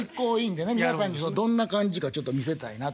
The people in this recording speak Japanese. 皆さんにどんな感じかちょっと見せたいなと。